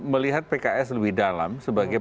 melihat pks lebih dalam sebagai